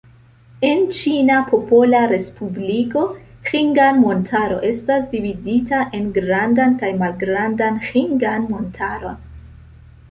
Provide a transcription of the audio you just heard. En Ĉina Popola Respubliko, Ĥingan-Montaro estas dividita en Grandan kaj Malgrandan Ĥingan-Montaron.